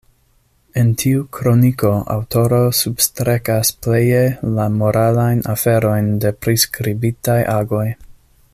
En tiu kroniko aŭtoro substrekas pleje la moralajn aferojn de priskribitaj agoj.